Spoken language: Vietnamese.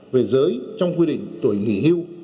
về giới trong quy định tuổi nghỉ hưu